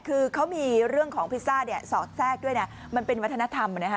คือเขามีเรื่องของพิซซ่าเนี่ยสอดแทรกด้วยนะมันเป็นวัฒนธรรมนะฮะ